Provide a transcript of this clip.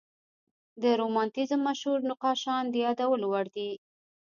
د رومانتیزم مشهور نقاشان د یادولو وړ دي.